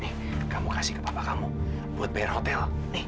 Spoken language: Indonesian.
nih kamu kasih ke papa kamu buat bayar hotel